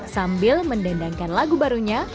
sambil mendendangkan lagu barunya